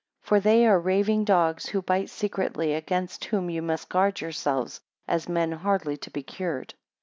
For they are raving dogs, who bite secretly; against whom ye must guard yourselves, as men hardly to be cured.